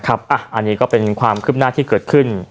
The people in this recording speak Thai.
อันนี้ก็เป็นความคืบหน้าที่เกิดขึ้น